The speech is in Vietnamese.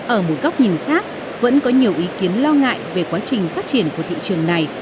ở một góc nhìn khác vẫn có nhiều ý kiến lo ngại về quá trình phát triển của thị trường này